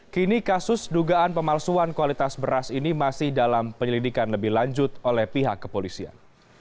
kini kasus dugaan pemalsuan kualitas beras ini masih dalam penyelidikan lebih lanjut oleh pihak kepolisian